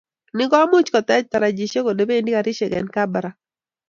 ni komuuch ketech tarajeshek ole bendi karishek eng barak